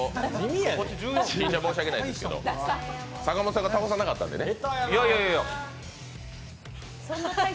ひぃちゃんには申し訳ないですけど、阪本さんが倒さなかったんでね。